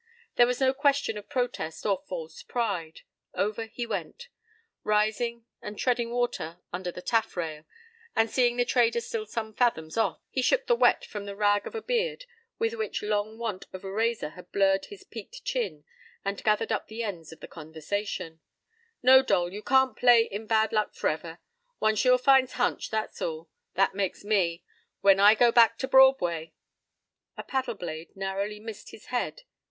There was no question of protest or false pride. Over he went. Rising and treading water under the taffrail, and seeing the trader still some fathoms off, he shook the wet from the rag of a beard with which long want of a razor had blurred his peaked chin and gathered up the ends of the conversation:"No, Dole, you can't play in bad luck f'rever. One sure fire hunch, that's all. That makes me. When I get back to Broadway—" A paddle blade narrowly missed his head.